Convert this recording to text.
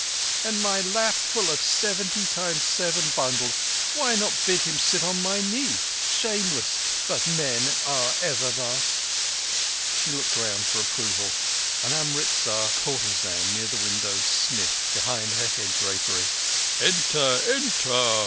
"And my lap full of seventy times seven bundles! Why not bid him sit on my knee, Shameless? But men are ever thus!" She looked round for approval. An Amritzar courtesan near the window sniffed behind her head drapery. "Enter! Enter!"